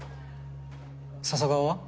笹川は？